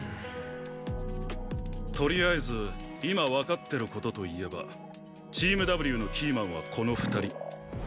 とりあえず今わかってる事といえばチームＷのキーマンはこの２人。